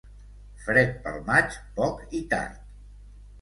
Fred pel maig, poc i tard.